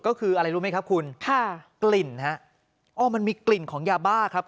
ก็คืออะไรรู้ไหมครับคุณค่ะกลิ่นฮะอ้อมันมีกลิ่นของยาบ้าครับ